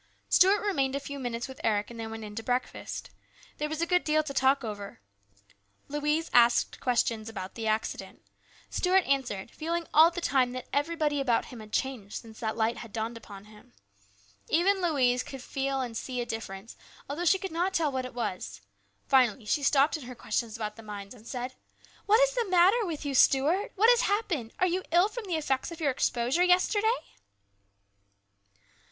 Stuart remained a few minutes with Eric and then went in to breakfast. There was a good deal to talk over. Louise asked questions about the accident. Stuart answered, feeling all the time that everybody about him had changed since that Light had dawned upon him. Even Louise could see and feel a difference, although she could not tell what it was. Finally she stopped in her questions about the mines and said : "What is the matter with you, Stuart? What has happened ? Are you ill from the effects of your exposure yesterday